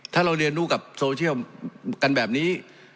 ถ้าเราเรียนรู้กับโซเชียลกันแบบนี้